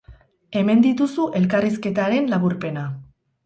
Hemen dituzu elkarrizketaren laburpena.